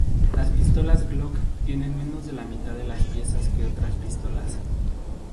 Las pistolas Glock tienen menos de la mitad de las piezas que otras pistolas.